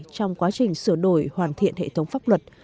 trong quá trình sửa đổi hoàn thiện hệ thống pháp luật